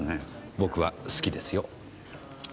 僕は好きですよ。